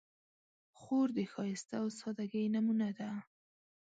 خور د ښایست او سادګۍ نمونه ده.